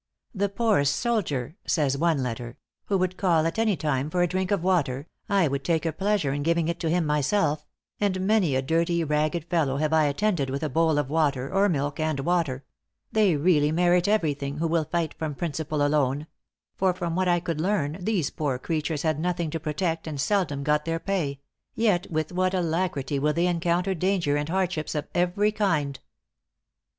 "The poorest soldier," says one letter, "who would call at any time for a drink of water, I would take a pleasure in giving it to him myself; and many a dirty, ragged fellow have I attended with a bowl of water, or milk and water: they really merit every thing, who will fight from principle alone; for from what I could learn, these poor creatures had nothing to protect, and seldom got their pay; yet with what alacrity will they encounter danger and hardships of every kind!"